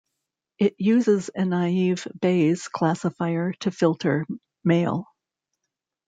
It uses a naive Bayes classifier to filter mail.